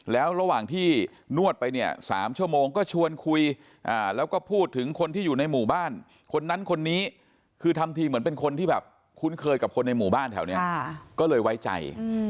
แล้วระหว่างที่นวดไปเนี่ย๓ชั่วโมงก็ชวนคุยแล้วก็พูดถึงคนที่อยู่ในหมู่บ้านคนนั้นคนนี้คือทำทีเหมือนเป็นคนที่แบบคุ้นเคยกับคนในหมู่บ้านแถวนี้ก็เลยไว้ใจ